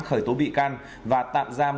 khởi tố bị can và tạm giam